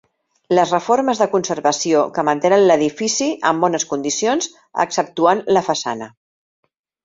Les reformes de conservació que mantenen l'edifici en bones condicions exceptuant la façana.